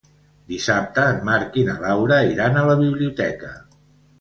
Dissabte en Marc i na Laura iran a la biblioteca.